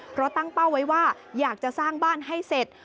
เพราะตั้งเป้าไว้ว่าอยากจะสร้างบ้านให้เสร็จ